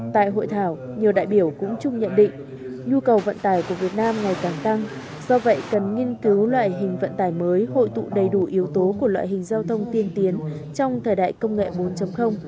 tại hội thảo nhiều đại biểu cũng chung nhận định nhu cầu vận tải của việt nam ngày càng tăng do vậy cần nghiên cứu loại hình vận tải mới hội tụ đầy đủ yếu tố của loại hình giao thông tiên tiến trong thời đại công nghệ bốn